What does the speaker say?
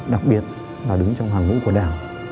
đặc biệt là đứng trong hàng ngũ của đảng